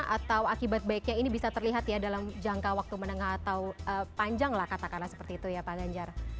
atau akibat baiknya ini bisa terlihat ya dalam jangka waktu menengah atau panjang lah katakanlah seperti itu ya pak ganjar